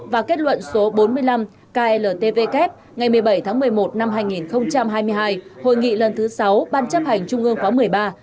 và kết luận số bốn mươi năm kltvk ngày một mươi bảy tháng một mươi một năm hai nghìn hai mươi hai hội nghị lần thứ sáu ban chấp hành trung ương khóa một mươi ba